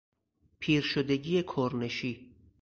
پیرشدگی کرنشی